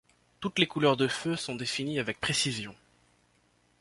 Toutes les couleurs de feux sont définies avec précision.